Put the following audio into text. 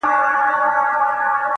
د ټولو ورور دی له بازاره سره لوبي کوي٫